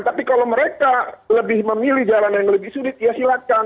tapi kalau mereka lebih memilih jalan yang lebih sulit ya silakan